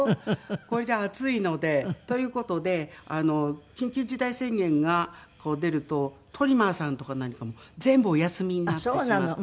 これじゃ暑いのでという事で緊急事態宣言が出るとトリマーさんとか何かも全部お休みになってしまって。